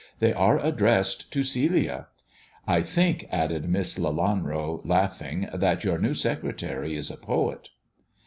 They are addressed *To Celia.' I think," added Miss Leianro, laughing, "that your new secretary is a poet."